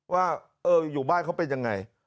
ว่าอยู่บ้านเขาเป็นยังไง